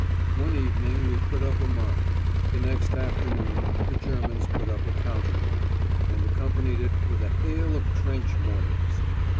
One evening we put up a mine; the next afternoon the Germans put up a countermine, and accompanied it with a hail of trench mortars.